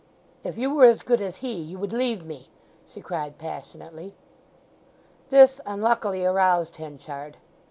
"If you were as good as he you would leave me!" she cried passionately. This unluckily aroused Henchard.